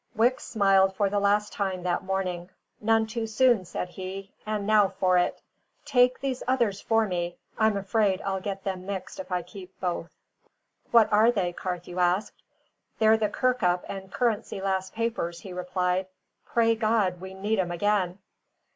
Wicks smiled for the first time that morning. "None too soon," said he. "And now for it! Take these others for me; I'm afraid I'll get them mixed if I keep both." "What are they?" Carthew asked. "They're the Kirkup and Currency Lass papers," he replied. "Pray God we need 'em again!"